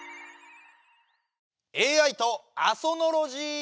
「ＡＩとあそノロジー！」。